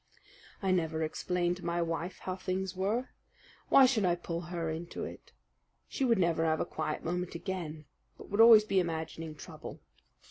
"I never explained to my wife how things were. Why should I pull her into it? She would never have a quiet moment again; but would always be imagining trouble.